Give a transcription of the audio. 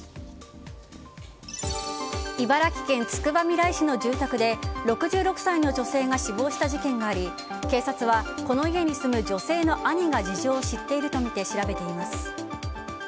茨城県つくばみらい市の住宅で６６歳の女性が死亡した事件があり警察はこの家に住む女性の兄が事情を知っているとみて調べています。